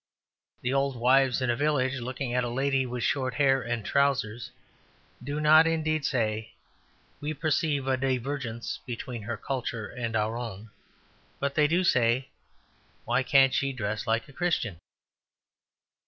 The old wives in a village looking at a lady with short hair and trousers do not indeed say, "We perceive a divergence between her culture and our own"; but they do say, "Why can't she dress like a Christian?"